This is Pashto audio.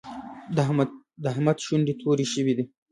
د احمد شونډې تورې شوې دي.